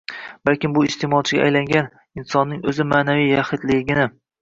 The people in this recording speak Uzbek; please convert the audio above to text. Balkim bu - iste’molchiga aylangan insonning o‘z ma’naviy yaxlitligini